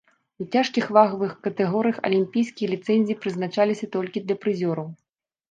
У цяжкіх вагавых катэгорыях алімпійскія ліцэнзіі прызначаліся толькі для прызёраў.